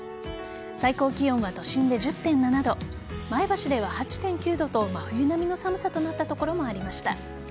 最高気温は都心で１０．７度前橋では８．９度と真冬並みの寒さとなった所もありました。